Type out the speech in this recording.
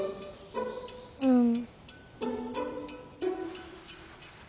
うん。